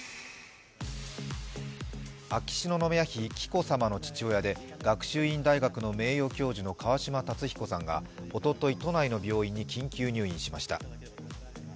秋篠宮妃・紀子さまの父親で学習院大学名誉教授の川嶋辰彦さんがおととい、都内の病院に緊急入院しました。